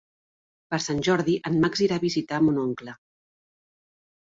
Per Sant Jordi en Max irà a visitar mon oncle.